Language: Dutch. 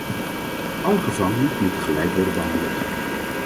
Alle gevangenen moeten gelijk worden behandeld.